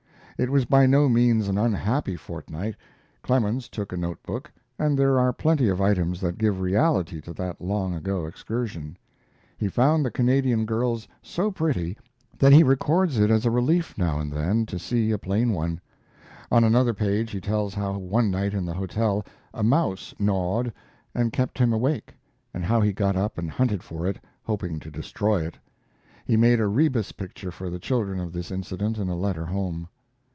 It was by no means an unhappy fortnight. Clemens took a note book, and there are plenty of items that give reality to that long ago excursion. He found the Canadian girls so pretty that he records it as a relief now and then to see a plain one. On another page he tells how one night in the hotel a mouse gnawed and kept him awake, and how he got up and hunted for it, hoping to destroy it. He made a rebus picture for the children of this incident in a letter home.